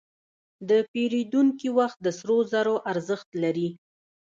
د پیرودونکي وخت د سرو زرو ارزښت لري.